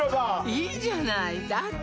いいじゃないだって